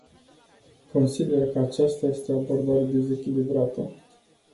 Consider că aceasta este o abordare dezechilibrată.